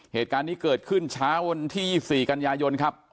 เหตุการณ์นี้เกิดขึ้นเช้าวันที่๒๔กันยายนครับ